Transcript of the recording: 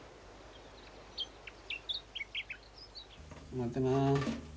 待ってな。